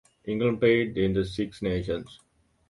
England played in the Six Nations.